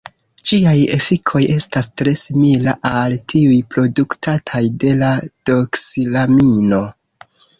Ĝiaj efikoj estas tre simila al tiuj produktataj de la doksilamino.